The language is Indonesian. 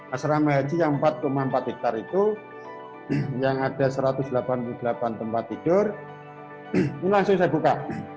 asrama haji yang empat empat hektare itu yang ada satu ratus delapan puluh delapan tempat tidur ini langsung saya buka